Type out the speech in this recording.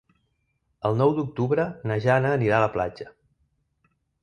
El nou d'octubre na Jana anirà a la platja.